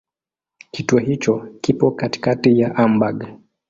Kituo hicho kipo katikati ya Hamburg.